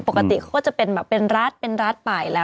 ปกติเขาก็เป็นราช